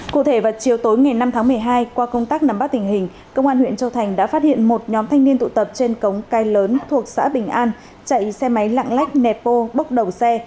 cụ thể vào chiều tối ngày năm tháng một mươi hai qua công tác nắm bắt tình hình công an huyện châu thành đã phát hiện một nhóm thanh niên tụ tập trên cống cái lớn thuộc xã bình an chạy xe máy lạng lách nẹt bô bốc đầu xe